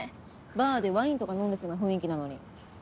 バーでワインとか飲んでそうな雰囲気なのに。